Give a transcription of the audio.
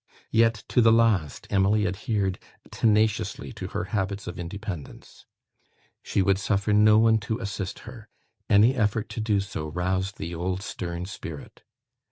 Yet, to the last, Emily adhered tenaciously to her habits of independence. She would suffer no one to assist her. Any effort to do so roused the old stern spirit.